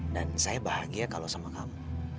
dan saya bahagia kalau sama kamu